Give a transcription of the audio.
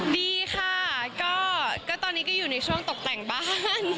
ดีค่ะก็ตอนนี้ก็อยู่ในช่วงตกแต่งบ้าน